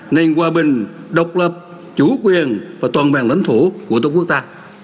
nền hòa bình độc lập chủ quyền và toàn vẹn lãnh thổ của tổ quốc ta